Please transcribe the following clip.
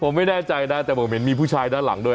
ผมไม่แน่ใจนะแต่ผมเห็นมีผู้ชายด้านหลังด้วย